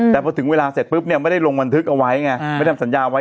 แต่พอถึงเวลาเสร็จปุ๊บเนี่ยไม่ได้ลงบันทึกเอาไว้ไงไม่ได้ทำสัญญาไว้